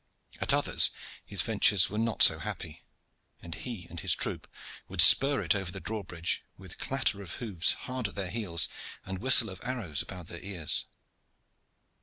At others his ventures were not so happy, and he and his troop would spur it over the drawbridge with clatter of hoofs hard at their heels and whistle of arrows about their ears.